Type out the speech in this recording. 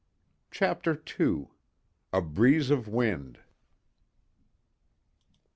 CHAPTER II A BREEZE OF WIND.